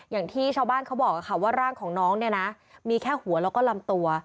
อย่างที่ชาวบ้านเขาบอกว่าร่างของน้องเนี่ยนะมีแค่หัวแล้วก็ลำตัว